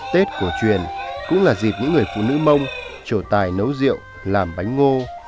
tết cổ truyền cũng là dịp những người phụ nữ mông trổ tài nấu rượu làm bánh ngô